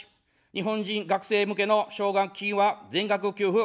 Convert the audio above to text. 日本人学生向けの奨学金は全額給付。